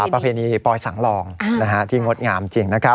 ประเพณีปลอยสังลองที่งดงามจริงนะครับ